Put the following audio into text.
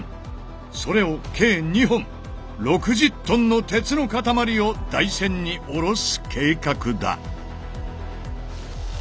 それを計２本６０ｔの鉄の塊を台船におろす計画だ。